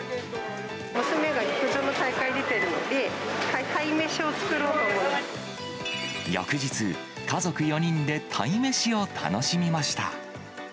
娘が陸上の大会出てるので、翌日、家族４人でたいめしを楽しみました。